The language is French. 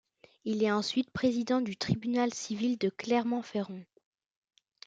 Il est ensuite président du tribunal civil de Clermont-Ferrand.